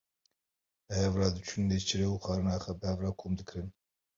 Bi hev re diçûn nêçîrê û xwarina xwe bi hev re kom dikirin.